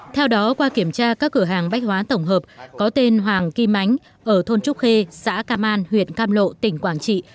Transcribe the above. theo đó qua kiểm tra các cửa hàng bách hóa tổng hợp có tên hoàng kim ánh ở thôn trúc khê xã cam an huyện cam lộ tỉnh quảng trị